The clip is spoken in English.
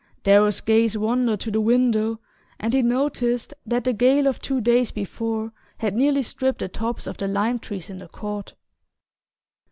Darrow's gaze wandered to the window and he noticed that the gale of two days before had nearly stripped the tops of the lime trees in the court.